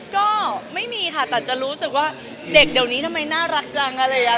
ก็ไม่มีค่ะแต่จะรู้สึกว่าเด็กเดี๋ยวนี้ทำไมน่ารักจังอะไรอย่างนี้